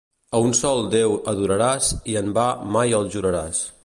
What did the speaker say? A un sol Déu adoraràs i en va mai el juraràs.